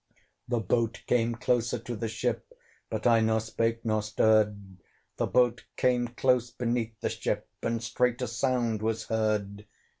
The boat came closer to the ship, But I nor spake nor stirred; The boat came close beneath the ship, And straight a sound was heard.